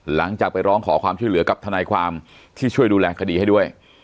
หลังจากไปร้องขอความช่วยเหลือกับทนายความที่ช่วยดูแลคดีให้ด้วย